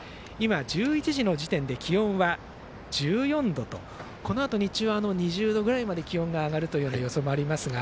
１１時の時点で気温は１４度とこのあと日中、２０度ぐらいまで気温が上がるという予想もありますが。